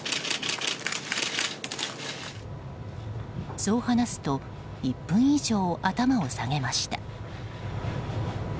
そう話すと、１分以上頭を下げました。